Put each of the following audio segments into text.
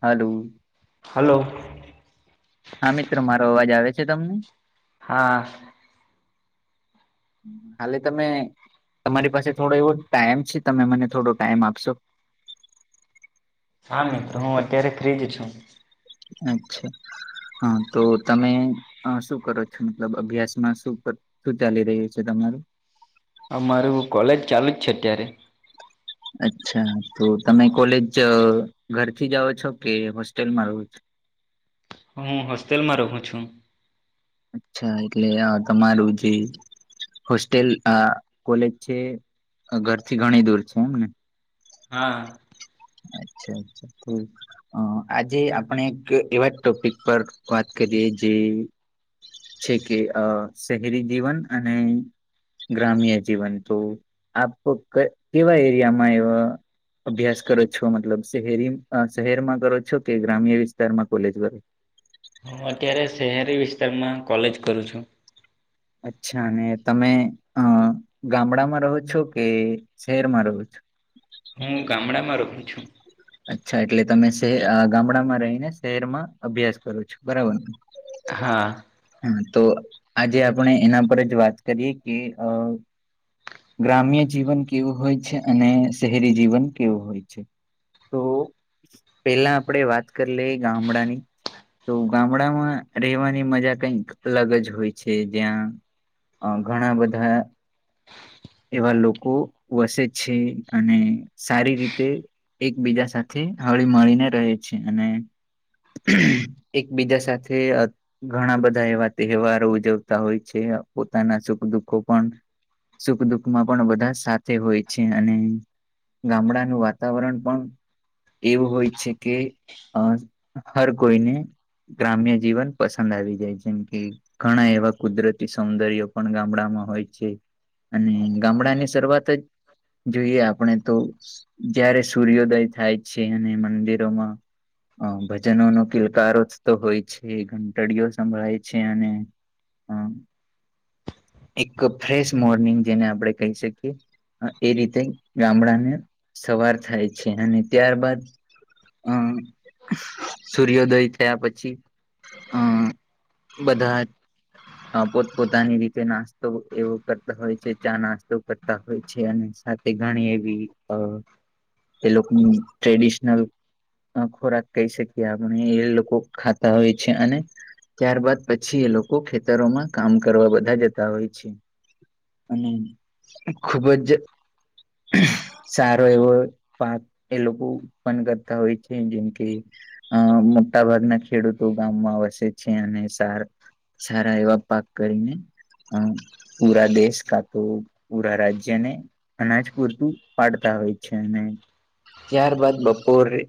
હાલું હલો હા મિત્ર મારો અવાજ આવે છે તમને હા હાલે તમે તમારી પાસે થોડો એવો ટાઈમ છે તમે મને થોડો ટાઈમ આપશો હા મિત્રો હું અત્યારે ફ્રીજ છું અચ્છા હા તો તમે શું કરો છો મતલબ અભ્યાસમાં શું કર શું ચાલી રહ્યું છે તમારું આ મારું કોલેજ ચાલુ જ છે અત્યારે અચ્છા તો તમે કોલેજ ઘરથી જાઓ છો કે હોસ્ટેલમાં રહો છ હું હોસ્ટેલમાં રહું છું અચ્છા એટલે તમારું જે હોસ્ટેલ કોલેજ છે ઘરથી ઘણી દૂર છે એમ ને હા અચ્છા અચ્છા તો અ આજે આપણે એક એવા ટોપિક પર વાત કરીએ જે છે કે અ શહેરી જીવન અને ગ્રામ્ય જીવન તો આપ કેવા એરિયામાં એવા અભ્યાસ કરો છો મતલબ શહેરી શહેરમાં કરો છો કે ગ્રામ્ય વિસ્તારમાં કોલેજ કર હું અત્યારે શહેરી વિસ્તારમાં કોલેજ કરું છું અચ્છા અને તમે અ ગામડામાં રહો છો કે શહેરમાં રહો છો હું ગામડામાં ર [unintelligible] અચ્છા એટલે તમે ગામડામાં રહીને શહેરમાં અભ્યાસ કરો છો બરાબરને હા હા તો આજે આપણે એના પર જ વાત કરીએ કે અ ગ્રામ્ય જીવન કેવું હોય છે અને શહેરી જીવન કેવું હોય તો પેલા આપણેે વાત કરી લઈ ગામડાની તો ગામડામાં રહેવાની મજા કઈક અલગ જ હોય છે જ્યાં અ ઘણા બધા એવા લોકો વસે છે અને સારી રીતે એકબીજા સાથે હળી મળીને રહે છે અને એકબીજા સાથે ઘણા બધા એવા તહેવારો ઉજવતા હોય છે પોતાના સુખ દુઃખો પણ સુખ દુઃખમાં પણ બધા સાથે હોય છે અને ગામડાનું વાત વાતાવરણ પણ એવું હોય છે કે અ હર કોઈને ગ્રામ્ય જીવન પસંદ આવી જાય જેમ કે ઘણા એવા કુદરતી સૌંદર્ય પણ ગામડામાં હોય છે અને ગામડાની શરૂઆત જ જોઈએ આપણે તો જયારે સૂર્યોદય થાય છે અને મંદિરોમાં હ ભજનો નો કિલકારો જ તો હોય છે ઘંટડીયો સંભળાય છે અને હમ એક ફ્રેશ મોર્નિંગ જેને આપણેે કહી શકીએ એ રીતે ગામડાને સવાર થાય છે અને ત્યારબાદ હમ સૂર્યો્યોદય થયા પછી અ બધા જ પોત પોતાની રીતે નાસ્તો એવો કરતા હોય છે ચા નાસ્તો કરતા હોય છે અને તે ઘણી એવી એ લોકોની ટ્રેડિશનલ ખોરાક કહી શકીએ આપણે એ લોકો ખાતા હોય છે અને ત્યાર બાદ પછી એ લોકો ખેતરોમાં કામ કરવા બધા જતા હોય છે અને ખુબ જ સારો એવો પાક એ લોકો ઉત્પન્ન કરતા હોય છે જેમ કે અ મોટા ભાગના ખેડૂતો ગામમાં વસે છે અને સાર સારા એવા પાક કરીને હમ પૂરા દેશ કા તો પૂરા રાજ્ય ને અનાજ પૂરતું પાડતા હોય છે અને ત્યારબાદ બપોરે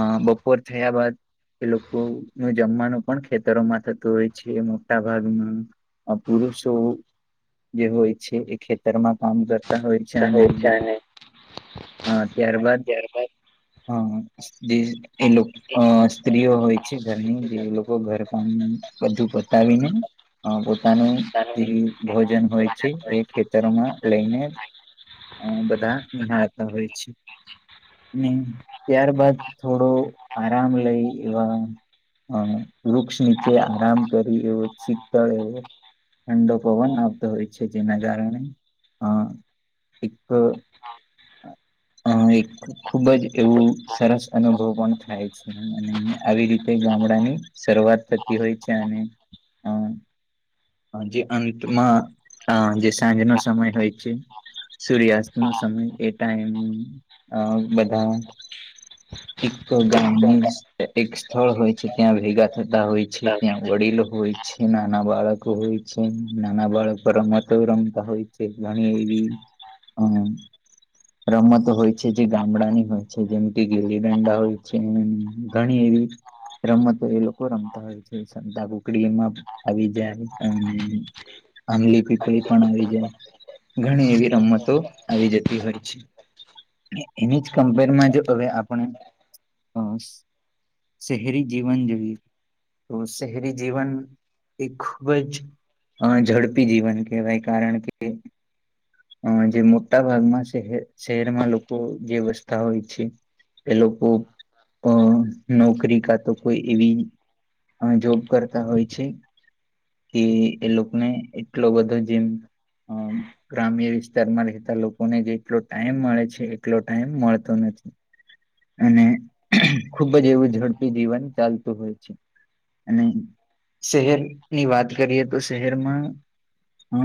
અ બપોર થયા બાદ એ લોકો નું જમવાનું પણ ખેતરોમાં થતું હોય છે મોટા ભાગમાં પુરુષો જે હોય છે એ ખેતરમાં કામ કર હો છેને હા ત્યારબાદ હા એ લોકો અ સ્ત્રીઓ હોય છે ઘરની જે લોકો ઘર કામ બધું બતાવીને અ પોતાનું જે ભોજન હોય છે એ ખેતરોમાં લઈને અ બધા નિહાળતા હોય છે. ત્યાર બાાદ થોડો આરામ લઈ એવા અ વૃક્ષ નીચે આરામ કરી એવો શીતળ એવો ઠંડો પવન આવતો હોય છે જેના કારણે આ એક હા એક ખુબ જ એવું સરસ અનુભવ પણ થાય છે અને આવી રીતે ગામડાની શરૂઆત થતી હોય છે અને હ. હ જે અંતમાં અ જે સાંજનો સમય હોય છે. સૂર્યાસ્ત નો સમય એ ટાઈમે બધા એક તો ગામની એક સ્થળ હોય છે ત્યાં ભેગા થતા હોય છે. ત્યાં વડીલો હોય છે નાના બાળકો હોય છે નાના બાળકો રમતો રમતા હોય છે. ઘણી એવી અ રમતો હોય છે જે ગામડાની હોય છે જેમ કે ગીલી ડંડા હોય છે, ઘણી એવી રમતો એ લોકો રમતા હોય છે, શતાા બુકડીમાં આવી જાય અને આંબલી પીપળી પણ આવી જાય ઘણી એવી રમતો આવી જતી હોય. એની જ કમ્પેરમાં જો હવે આપણે શહેરી જીવન જેવી તો શહેરી જીવન એ ખૂબ જ અ ઝડપી જીવન કહેવાય કારણ કે અ જે મોટા ભાગમાં શ શહેરમાં લોકો જે વસ્તા હોય છે એ લોકો અ નોકરી કા તો કોઈ એવી અ જોબ કરતા હોય છે. કે એ લોકો ને એટલો બધો જેમ અ ગ્રામ્ય વિસ્તારમાં રહેતા લોકોને જે એટલો ટાઈમ મળે છે એટલો ટાઈમ મળતો નથી. અને ખુબ જ એવું ઝડપી જીવન ચાલતું હોય છે. અને શહેરની વાત કરીએ તો શહેરમાં હ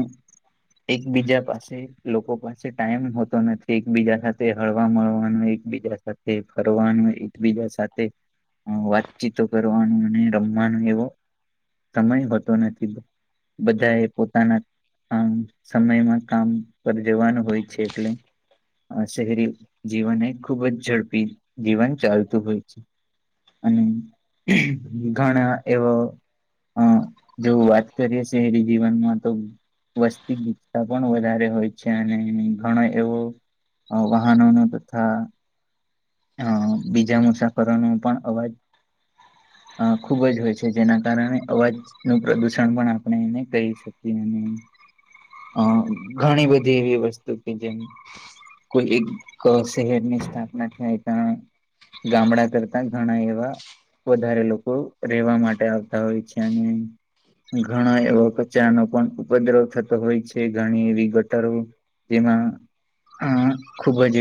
એકબીજા પાસે લોકો પાસે ટાઈમ તો નથી એકબીજા સાથે હળવા મળવાનું એકબીજા સાથે ફરવાનું એકબીજા સાથે વાતચીતો કરવાનું અને રમવાનો એવો સમય હોતો નથી બધા એ પોતાના આમ સમયમાં કામ પર જવાનું હોય છે એટલે શહેરી જીવન એ ખુબ જ ઝડપી જીવન ચાલતું હોય છે. અને ઘણા એવા હા જો વાત કરીએ શહેરી જીવનમાં તો વસ્તી ગીતતા પણ વધારે હોય છે, અને ઘણો એવું વાહનો ન તથા અ બીજા મુસાફરો ન પણ અવાજ અ ખુબ જ હોય છે જેના કારણે અવાજ નું પ્રદુષણ પણ આપણે એને કહી શકીએ ઘણી બધી એવી વસ્તુ કે જેમ કોઈ એક શહેરની સ્થાપના થાય પણ ગામડા કરતા ઘણા એવા વધારે લોકો રહેેવા માટે આવતા હોય છે અને ઘણા એવો કચરાનો પણ ઉપદ્રવ થતો હોય છે, ઘણી એવી ગટરો તેમાં હમ ખુબ જ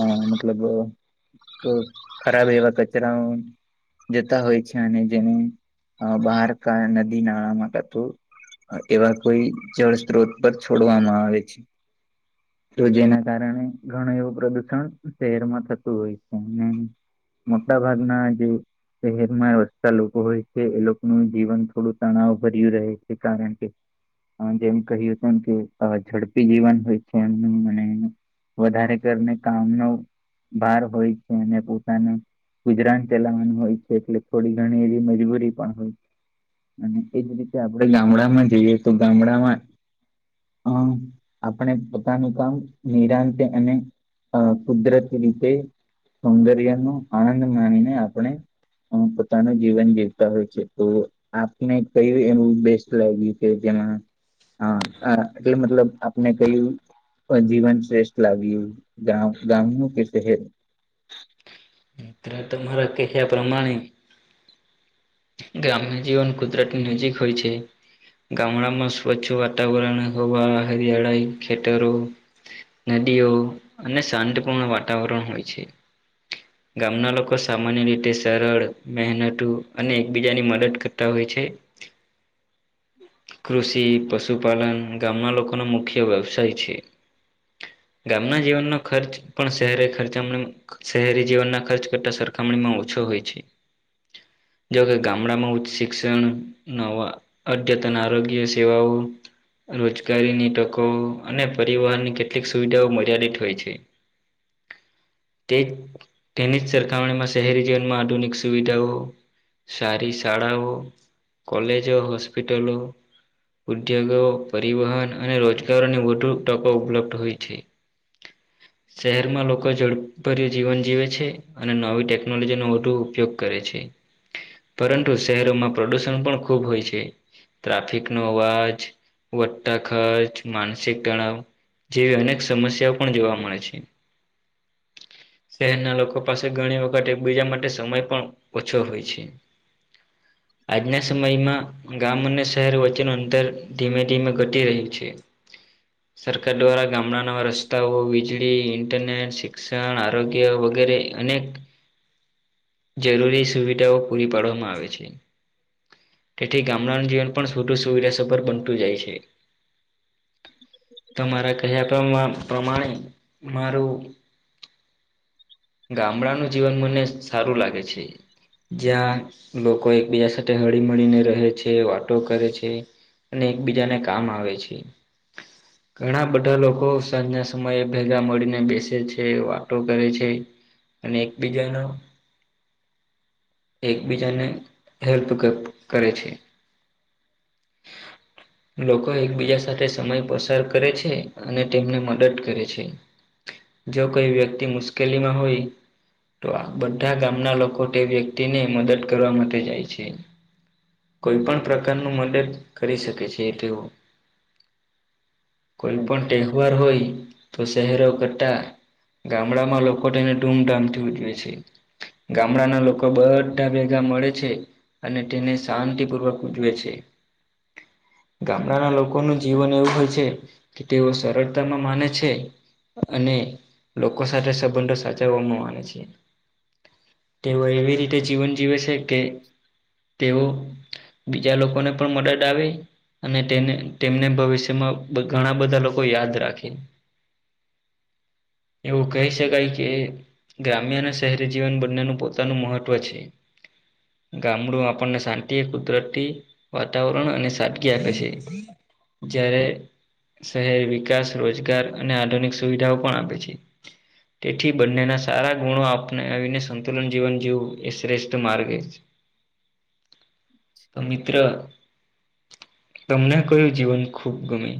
અ મતલબ તો ખરાબ હવા કચરા જતા હોય છે અને જેને બહાર ક નદી નાળામાંતું એવા કોઈ જળ સ્ત્રોત પર છોડવામાં આવે છે. તો જેના કારણે ઘણું એવું પ્રદુષણ શહેરમાં થતું હોય છે, અને મોટા ભાગના ગ શહેરમાં વસતા લોકો હોય છે એ લોકોનું જીવન થોડું તણાવ ભર્યું રહે છે, કારણ કે જેમ કહ્યું હત એમ કે ઝડપી જીવન હોય છે એમનું મને વધારે કરીને કામનો ભાર હોય છે, અને પોતાનો ગુજરાન ચલાવવાનું હોય છે, એટલે થોડી ઘણી એવી મજબૂરી પણ હોય અને એજ રીતે આપડણે ગામડામાં જઈએ તો ગામડામાં હ આપપણે પોતાનું કામ નિરાંત અને કુદરતી રીતે સૌંદર્ય નું આનંદ માનીને આપણે પોતાનું જીવન જીવતા હોય છે, તો આપને કય એવું બેસ્ટ લાગ્યું છે જેમાં હા એટલે મતલબ આપને કયું પણ જીવન શ્રેષ્ઠ લાવ્યું ગ ગામ ન કે શહેર ત્ટ મારા ક છે, પ્ર્ણે ગ્રામ્ય જીવન કુદરાતી મ્યુજિક હોય છે. ગામડામાં સ્વચ્છ વાતાવરણ હવા હિયાળાય ખ્ેટરો નદીઓ અને શાંતપૂર્ણ વાતાવરણ હોય છે. ગામના લોકો સામાન્ય રીતે સરળ મહેનતું અને એકબીજાની મદદ કરતા હોય છે. [inaudible] કૃષિ પશુપાલન ગામના લોકોનો મુખ્ય વ્યવસાય છે. ગામના જીવનનો ખર્ચ પણ શહેરી ખર્ચ શહેરી જીવનના ખર્ચ કરતા સરખામણી માં ઓછો હોય છે. જોકે ગામડામાં ઉચ્ચ શિક્ષણ નવા અદ્યતન આરોગ્ય સેવાઓ રોજગારીની તકો અને પરિવહનની કેટલીક સુવિધાઓ મર્યાદિત હોય છે. [inaudible] તે ટેનિસ સરખામણીમાં શહેરી જીવનમાં આધુનિક સુવિધાઓ સારી શાળાઓ કોલેજ હ હોસ્પિટલ ઉદ્યોગો પરિવહન અને રોજગારોની વધુ તકો ઉપલબ્ધ હોય છે. [inaudible] શહેરમાં લોકો જડભર્ય જીવન જીવે છે. અને નવી ટેકનોલોજી નો વધુ ઉપયોગ કરે છે. પરંતુ શહેરોમાં પ્રદુષણ પણ ખૂબ હોય છે. ટ્રાફિક નો અવાજ વધટ્ટા ખર્ચ માનસિક તણાવ જેવી અનેક સમસ્યા પણ જોવા મળે છે શહેરના લો પાસે ઘણી વખત બીજા માટે સમય પણ ઓછો હોય છે. આજના સમયમાં ગામ અને શહેર વચ્ચેનું અંતર ધીમે ધીમે ઘટી રહ્યું છે. [inaudible] સરકાર દ્વારા ગામડાનાવા રસ્તાઓ વીજળી ઇન્ટરનેટ શિક્ષણ આરોગ્ય વગેરે અનેક જરૂરી સુવિધાઓ પૂરી પાડવામાં આવે છે. તેથી ગામડાનું જીવન પણટું સુવિધ સભર બનતું જાય છે. તમારા કહ્યા પ્રમાણે મારું ગામડાનું જીવન મને સારું લાગે છે. જ્યાં લોકો એકબીજા સાથે હળી મળળીને રહે છે વાતો કરે છે. અને એકબીજાને કામ આવે છે. [inaudible] ઘણા બધા લોકો સાંજના સમયે ભેગા મળીને બેસે છે વાતો કરે છે. અને એકબીજા ન એકબીજાને હેલ્પ કરે છે. [inaudible] લોકો એકબીજા સાથે સમય પસાર કરે છે અને તેમને મદદ કરે છે. [inaudible] જો કોઈ વ્યક્તિ મુશ્કેલીમાં હોય તો આ બધા ગામના લોકો તે વ્યક્તિ ને મદદ કરવા માટે જાય છે. કોઈ પણ પ્રકારનું મદદ કરી શકે છે એટ [inaudible] કોઈ પણ તહેવાર હોય તો શહેરો કરતા ગામડામાં લોકો તેને ધૂમધામથી ઉજવે છે. ગામડાના લોકો બધા ભેગા મળે છે. અને તેને શાંતિપૂર્વક ઉજવે છે. ગામડાના લોકોનું જીવન એવું હોય છે કે તેઓ સરળતામાં માને છે અને લોકો સાથે સંબંધો માને છેી તેઓ એવી રીતે જીવન જીવે છે કે તેઓ બીજા લોકોને પણ મદદ આવે, અને તેને તેમને ભવિષ્યમાં ઘણા બધા લોકો યાદ રાખે. [inaudible] એવું કહી શકાય કે ગ્રામ્ય અને શહેરી જીવન બંનેનું પોતાનું મહત્વ છે. ગામુડું આપણને શાંતિ, કુદરતી વાતાવરણ અને સાદગી આપખે છે જ્યારે શહેર વિકાસ, રોજગાર અને આધુનિક સુવિધાઓ પણ આપે છે. તેથી બંને ના સારા ગુણો આપણને આવીને સંતુલન જીવન જેવું એ શ્રેષ્ઠ માર્ગ છે. [inaudible] તો મિત્ર તમને કયું જીવન ખુબ ગમે?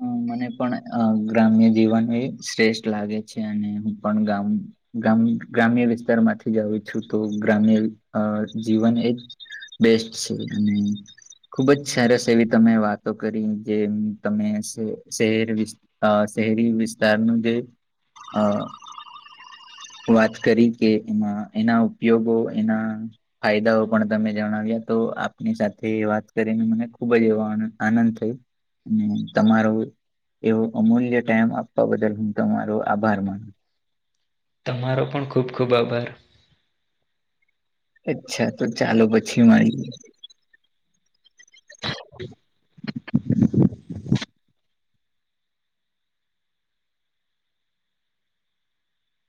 હ મને પણ ગ્રામ્ય જીવન એ શ્રેષ્ઠ લાગે છે અને હું પણ ગામ ગામ ગ્રામ્ય વિસ્તાર માંથી જ આઉું છું તો ગ્રામ્ય જીવન એજ બેસ્ટ છે. અને ખુબ જ સરસ એવી તમે વાતો કરી જે તમે શહેર વિ શહેરી વિસ્તારનું જે હા વાત કરી કે એમાં એના ઉપયોગો એના ફાયદાઓ પણ તમે જણાવ્યા તો આપની સાથે વાત કરીને મને ખુબ જ એવો આનંદ થયો. અને તમારો એવો અમૂલ્ય ટાઈમ આપવા બદલ હું તમારો આભાર માનું તમારો પણ ખૂબ ખૂબ આભાર અચ્છા તો ચાલો પછી મળીએ